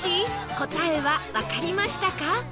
答えはわかりましたか？